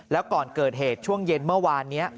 แล้วก่อนเกิดเหตุช่วงเย็นเมื่อวานนี้